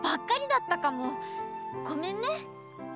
ごめんね。